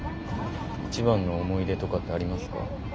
一番の思い出とかってありますか？